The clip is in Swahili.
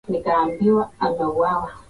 Ugali ndio chakula napenda